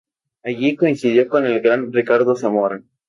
Allí coincidió con el gran Ricardo Zamora.